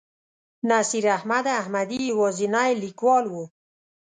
نصیر احمد احمدي یوازینی لیکوال و.